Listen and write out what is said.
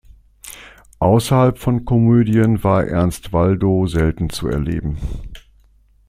Außerhalb von Komödien war Ernst Waldow selten zu erleben.